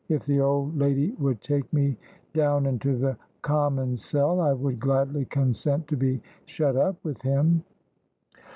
If the old lady would take me down into the common cell, I would gladly consent to be shut up with him."